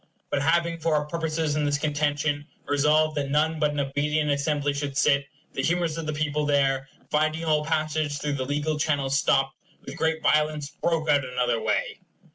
But having, for our purposes in this contention, resolved that none but an obedient Assembly should sit, the humors of the people there, finding all passage through the legal channel stopped, with great violence broke out another way.